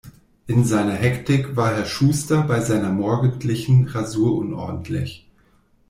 In seiner Hektik war Herr Schuster bei seiner morgendlichen Rasur unordentlich.